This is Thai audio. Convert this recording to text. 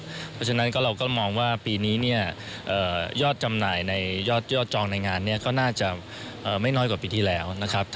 เพราะฉะนั้นเราก็มองว่าปีนี้เนี่ยยอดจำหน่ายในยอดจองในงานเนี่ยก็น่าจะไม่น้อยกว่าปีที่แล้วนะครับ